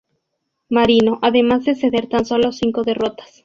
Marino", además de ceder tan solo cinco derrotas.